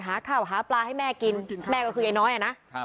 หาข้าวหาปลาให้แม่กินแม่ก็คือยายน้อยอ่ะนะ